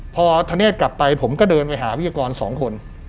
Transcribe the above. พอธเนธกลับไปผมก็เดินไปหาวิทยากรสองคน